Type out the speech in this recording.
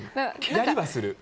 やりはする。